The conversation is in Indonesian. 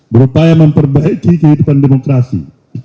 berupaya memperbaiki kehidupan demokrasi